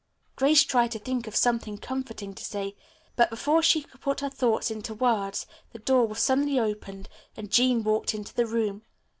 Grace tried to think of something comforting to say. But before she could put her thoughts into words the door was suddenly opened and Jean walked into the room.